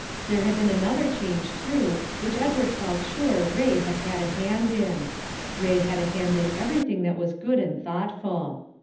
There had been another change, too, which Edward felt sure Ray had had a hand in; Ray had a hand in everything that was good and thoughtful.